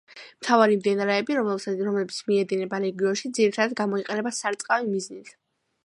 მთავარი მდინარეები რომლებიც მიედინება რეგიონში ძირითადათ გამოიყენება სარწყავი მიზნით.